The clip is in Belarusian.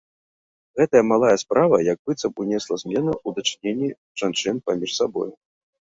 Гэтая малая справа як быццам унесла змену ў дачыненні жанчын паміж сабою.